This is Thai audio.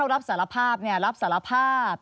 รองคารที่เขารับสารภาพ